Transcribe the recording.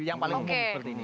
yang paling umum seperti ini